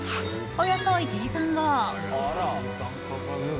およそ１時間後。